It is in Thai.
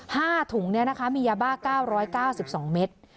ห้าถุงเนี่ยนะคะมียาบ้าเก้าร้อยเก้าสิบสองเมตร